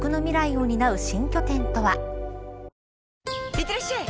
いってらっしゃい！